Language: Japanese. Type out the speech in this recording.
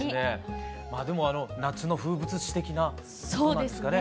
でも夏の風物詩的なことなんですかね。